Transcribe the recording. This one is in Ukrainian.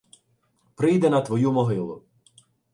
Прийде на твою могилу